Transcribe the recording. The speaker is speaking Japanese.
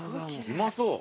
うまそう。